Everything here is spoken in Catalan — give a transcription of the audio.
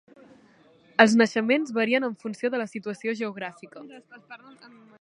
Els naixements varien en funció de la situació geogràfica.